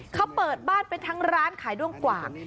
เขาเปิดบ้านไปทั้งร้านขายด้วงกว่าง